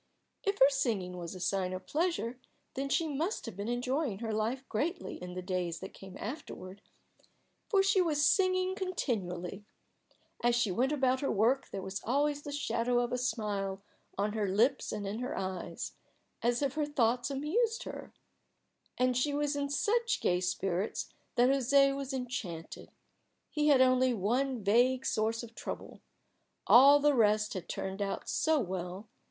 If her singing was a sign of pleasure, then she must have been enjoying her life greatly in the days that came afterward, for she was singing continually. As she went about her work there was always the shadow of a smile on her lips and in her eyes, as if her thoughts amused her. And she was in such gay spirits that José was enchanted. He had only one vague source of trouble: all the rest had turned out so well!